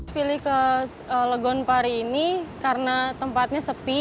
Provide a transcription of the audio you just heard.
pilih ke legon pari ini karena tempatnya sepi